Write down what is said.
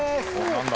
何だ？